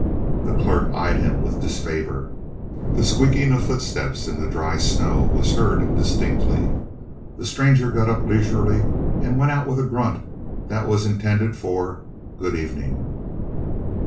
The clerk eyed him with disfavor. The squeaking of footsteps in the dry snow was heard distinctly. The stranger got up leisurely and went out with a grunt that was intended for "good evening."